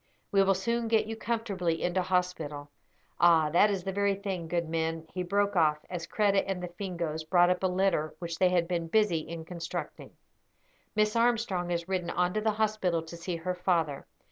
We will soon get you comfortably into hospital. Ah, that is the very thing; good men," he broke off, as Kreta and the Fingoes brought up a litter which they had been busy in constructing. "Miss Armstrong has ridden on to the hospital to see her father.